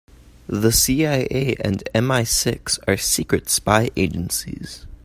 The CIA and MI-Six are secret spy agencies.